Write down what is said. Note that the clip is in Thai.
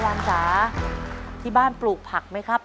ันจ๋าที่บ้านปลูกผักไหมครับ